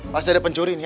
masih ada pencuri nih